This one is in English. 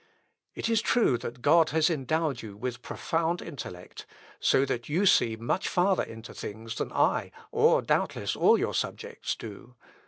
It is true that God has endowed you with profound intellect, so that you see much farther into things than I, or doubtless all your subjects, do.